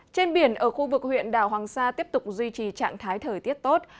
trên biển ở khu vực huyện đảo hoàng sa tiếp tục duy trì trạng thái thời tiết tốt